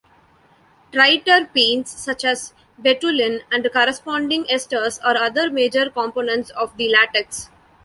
Triterpenes such as betulin and corresponding esters are other major components of the latex.